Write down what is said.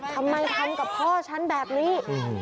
ทำไมทำกับพ่อฉันแบบนี้